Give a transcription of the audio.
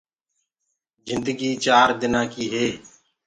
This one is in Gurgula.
جندگي چآر دنآ ڪي هي